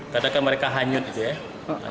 kadangkan mereka hanyut gitu ya